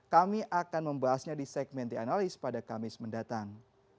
kami akan membahasnya di segmen the analyst pada kamis mendatang